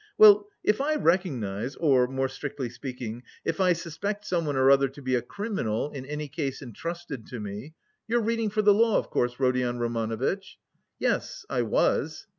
Well, if I recognise, or more strictly speaking, if I suspect someone or other to be a criminal in any case entrusted to me... you're reading for the law, of course, Rodion Romanovitch?" "Yes, I was..."